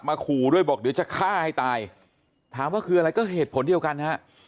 ขู่ด้วยบอกเดี๋ยวจะฆ่าให้ตายถามว่าคืออะไรก็เหตุผลเดียวกันฮะ